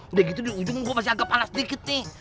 udah gitu di ujung gue masih agak alas dikit nih